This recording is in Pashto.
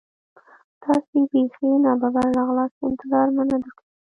تاسې بیخي نا ببره راغلاست، انتظار مو نه درلود.